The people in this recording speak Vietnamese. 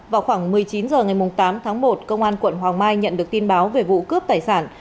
vào khoảng một mươi chín h ngày tám tháng một công an quận hoàng mai nhận được tin báo về vụ cướp tài sản